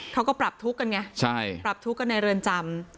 เขาก็ปรับทุกข์กันไงใช่ปรับทุกข์กันในเรือนจำ